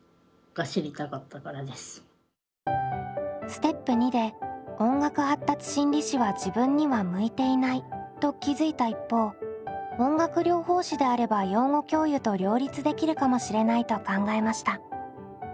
ステップ②で音楽発達心理士は自分には向いていないと気付いた一方音楽療法士であれば養護教諭と両立できるかもしれないと考えました。